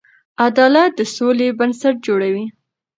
عدالت د سولې بنسټ جوړوي.